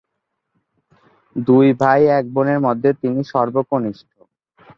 দুই ভাই-এক বোনের মধ্যে তিনি সর্বকনিষ্ঠ।